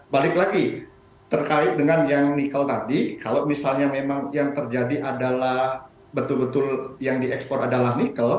balik lagi terkait dengan yang nikel tadi kalau misalnya memang yang terjadi adalah betul betul yang diekspor adalah nikel